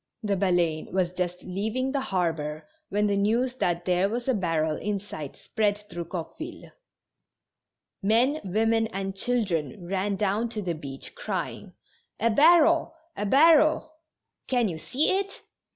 The Baleine was just leaving the harbor when the news that there was a barrel in sight spread through Coqueville. Men, women and children ran down to the beach, crying :" A barrel ! a barrel !"" Can you see it